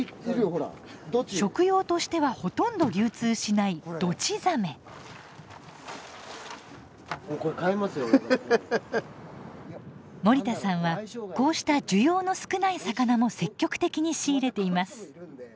食用としてはほとんど流通しない森田さんはこうした需要の少ない魚も積極的に仕入れています。